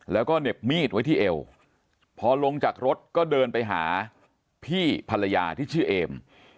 แล้วก็เหน็บมีดไว้ที่เอวพอลงจากรถก็เดินไปหาพี่ภรรยาที่ชื่อเอม